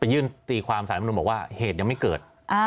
ยื่นตีความสารมนุนบอกว่าเหตุยังไม่เกิด